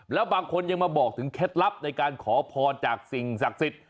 แล้วบางคนยังมาบอกถึงเคล็ดลับในการขอพรจากสิ่งศักดิ์สิทธิ์